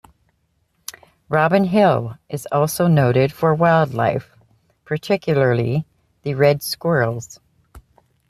Robin Hill is also noted for wildlife, particularly the red squirrels.